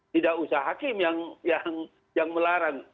tidak usah hakim yang melarang